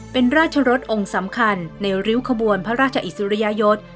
เป็นราชรสองค์สำคัญในริ้วขบวนพระราชอิสริยยศ